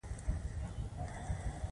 د دشت ناور مرغان کډوال دي